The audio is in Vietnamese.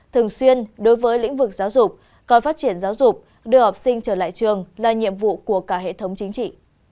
thường xuyên đối với lĩnh vực giáo dục coi phát triển giáo dục đưa học sinh trở lại trường là nhiệm vụ của cả hệ thống chính trị